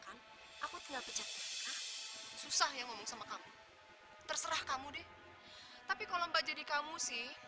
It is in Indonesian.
kan aku tidak bisa susah yang mau sama kamu terserah kamu deh tapi kalau mbak jadi kamu sih